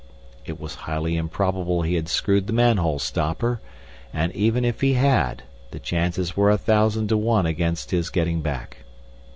It was highly improbable he had screwed the manhole stopper, and, even if he had, the chances were a thousand to one against his getting back.